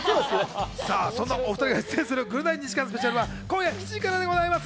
そんなお２人が出演する『ぐるナイ』２時間スペシャルは今夜７時からです。